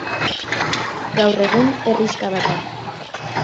Gaur egun, herrixka bat da.